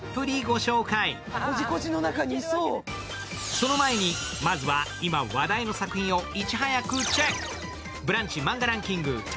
その前にまずは今話題の作品をいち早くチェック。